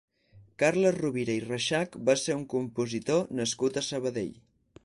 Carles Rovira i Reixach va ser un compositor nascut a Sabadell.